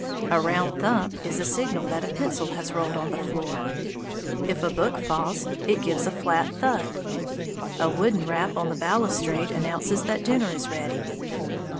A round thump is a signal that a pencil has rolled on the floor. If a book falls, it gives a flat thud. A wooden rap on the balustrade announces that dinner is ready.